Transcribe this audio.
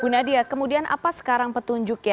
bu nadia kemudian apa sekarang petunjuknya